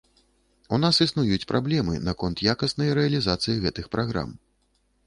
У нас існуюць праблемы наконт якаснай рэалізацыі гэтых праграм.